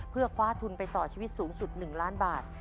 เพื่อคว้าทุนไปต่อชีวิตสูงสุด๑ล้านบาท